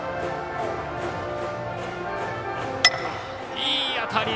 いい当たり！